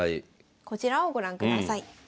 こちらをご覧ください。